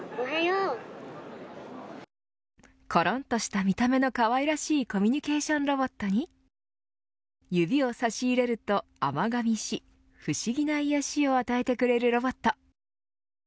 ころんとした見た目のかわいらしいコミュニケーションロボットに指を差し入れるとあまがみし不思議な癒しを与えてくれるロボット。